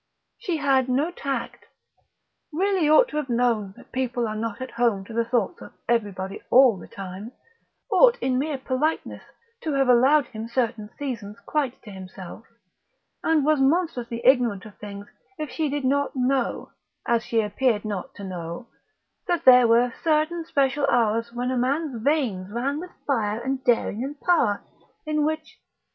She had no tact; really ought to have known that people are not at home to the thoughts of everybody all the time; ought in mere politeness to have allowed him certain seasons quite to himself; and was monstrously ignorant of things if she did not know, as she appeared not to know, that there were certain special hours when a man's veins ran with fire and daring and power, in which